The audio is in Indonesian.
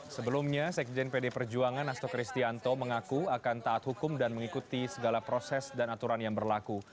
sebelumnya sekjen pd perjuangan asto kristianto mengaku akan taat hukum dan mengikuti segala proses dan aturan yang berlaku